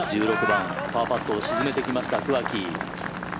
１６番、パーパットを沈めてきました桑木。